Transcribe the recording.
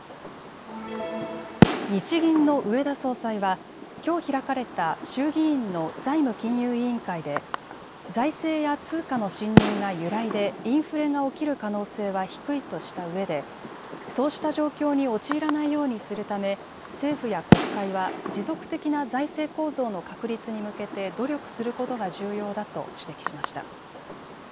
日銀の植田総裁はきょう開かれた衆議院の財務金融委員会で財政や通貨の信認が揺らいでインフレが起きる可能性は低いとしたうえでそうした状況に陥らないようにするため政府や国会は持続的な財政構造の確立に向けて努力することが重要だと指摘しました。